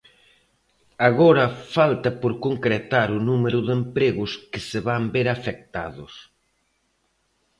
Agora falta por concretar o número de empregos que se van ver afectados.